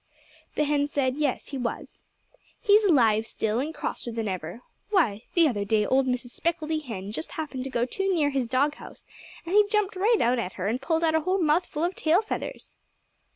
The hen said yes, he was. "He's alive still, and crosser than ever. Why the other day old Mrs. Speckeldy Hen just happened to go too near his dog house, and he jumped right out at her and pulled out a whole mouthful of tail feathers!"